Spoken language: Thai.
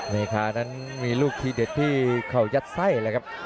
เมธานั้นมีลูกทีเด็ดที่เข่ายัดไส้เลยครับ